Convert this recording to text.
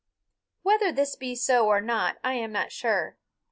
Whether this be so or not I am not sure.